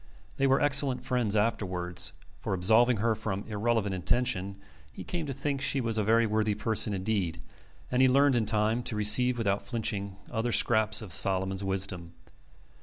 They were excellent friends afterwards; for, absolving her from irreverent intention, he came to think she was a very worthy person indeed; and he learned in time to receive without flinching other scraps of Solomon's wisdom.